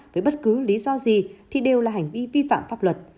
với bất cứ lý do gì thì đều là hành vi vi phạm pháp luật